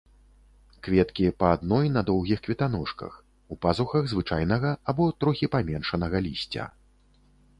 Кветкі па адной на доўгіх кветаножках, у пазухах звычайнага або трохі паменшанага лісця.